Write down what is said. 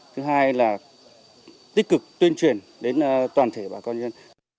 thứ hai là tích cực tuyên truyền đến toàn thể bà con nhân